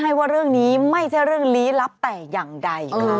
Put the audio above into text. ให้ว่าเรื่องนี้ไม่ใช่เรื่องลี้ลับแต่อย่างใดค่ะ